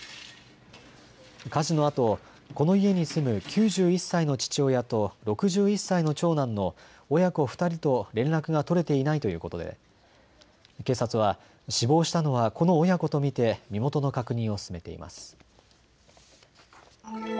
火事のあと、この家に住む９１歳の父親と６１歳の長男の親子２人と連絡が取れていないということで警察は死亡したのはこの親子と見て身元の確認を進めています。